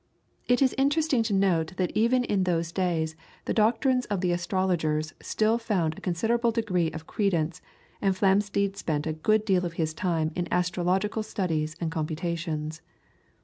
It is interesting to note that even in those days the doctrines of the astrologers still found a considerable degree of credence, and Flamsteed spent a good deal of his time in astrological studies and computations.